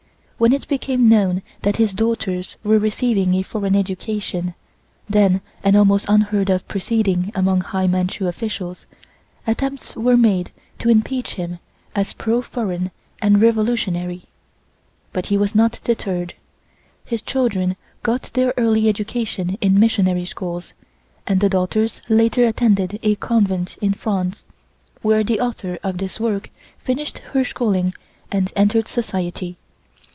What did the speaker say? When it became known that his daughters were receiving a foreign education then an almost unheard of proceeding among high Manchu officials attempts were made to impeach him as pro foreign and revolutionary, but he was not deterred. His children got their early education in missionary schools, and the daughters later attended a convent in France, where the author of this work finished her schooling and entered society.